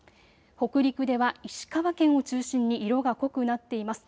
北陸では石川県を中心に色が濃くなっています。